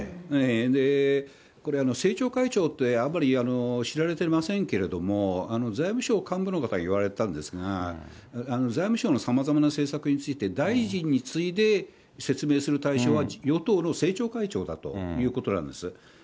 で、これ政調会長って、あんまり知られてませんけれども、財務省幹部の方に言われたんですが、財務省のさまざまな政策について大臣に次いで、説明する対象は、与党の政調会長だということなんです。